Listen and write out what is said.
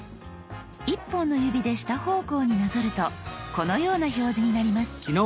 １本の指で下方向になぞるとこのような表示になります。